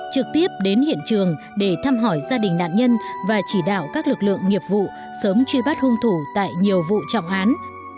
trực tiếp đến hiện trường để thăm hỏi gia đình nạn nhân và chỉ đạo các lực lượng nghiệp vụ sớm truy bắt hung thủ tại nhiều vụ trọng án